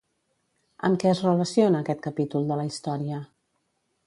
Amb què es relaciona aquest capítol de la història?